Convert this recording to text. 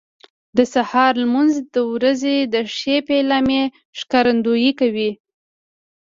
د سهار لمونځ د ورځې د ښې پیلامې ښکارندویي کوي.